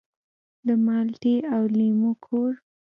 د مالټې او لیمو کور.